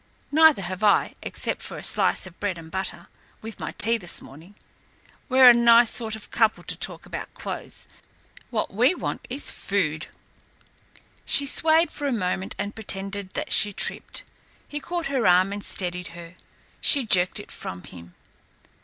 Neither have I, except a slice of bread and butter with my tea this morning. We're a nice sort of couple to talk about clothes. What we want is food." She swayed for a moment and pretended that she tripped. He caught her arm and steadied her. She jerked it from him.